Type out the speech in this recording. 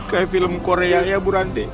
kayak film korea ya burante